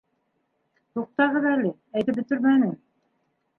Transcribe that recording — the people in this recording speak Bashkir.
- Туҡтағыҙ әле, әйтеп бөтөрмәнем.